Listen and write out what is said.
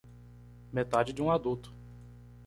Metade de um adulto